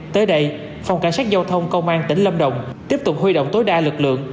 tới đây phòng cảnh sát giao thông công an tỉnh lâm đồng tiếp tục huy động tối đa lực lượng